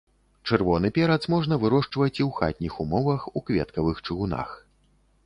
Чырвоны перац можна вырошчваць і ў хатніх умовах у кветкавых чыгунах.